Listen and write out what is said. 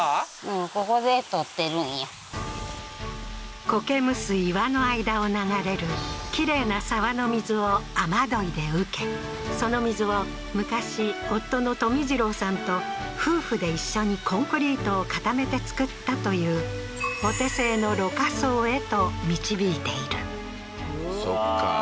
うんここで取ってるんやコケむす岩の間を流れるきれいな沢の水を雨どいで受けその水を昔夫の富次郎さんと夫婦で一緒にコンクリートを固めて作ったというお手製の濾過槽へと導いているうわー